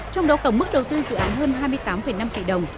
trong đó tổng mức đầu tư dự án hơn hai mươi tám năm tỷ đồng